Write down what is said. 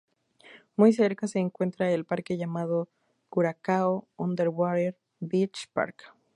Muy cerca se encuentra el Parque llamado "Curacao Underwater Beach Park".